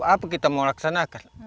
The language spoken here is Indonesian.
apa kita mau laksanakan